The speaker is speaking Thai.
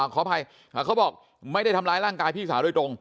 ขออภัยเขาบอกไม่ได้ทำร้ายร่างกายพี่สาวโดยตรง